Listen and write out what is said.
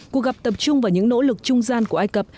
cuộc gặp tập trung vào những nỗ lực trung gian của ai cập